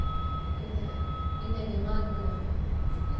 إن جمال هنا.